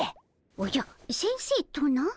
おじゃ先生とな？